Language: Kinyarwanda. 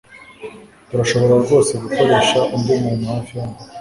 Turashobora rwose gukoresha undi muntu hafi hano